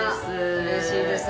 うれしいです。